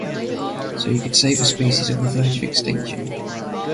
So you could save a species on the verge of extinction